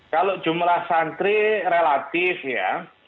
kalau jumlah santri relatif ya